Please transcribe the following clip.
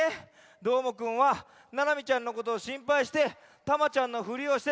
どーもくんはななみちゃんのことをしんぱいしてタマちゃんのふりをしてたんだよ。